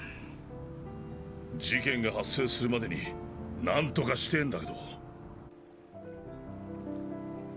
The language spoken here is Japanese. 事件が発生するまでに何とかしてぇんだけど。